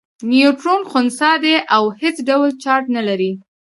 نیوټرون خنثی دی او هیڅ ډول چارچ نلري.